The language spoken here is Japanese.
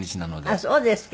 あっそうですか。